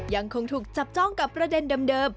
ยังคงถูกจับจ้องกับประเด็นเดิม